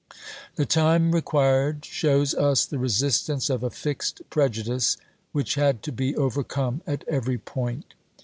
The time required shows us the resistance of a fixed prejudice which had to be overcome at every point.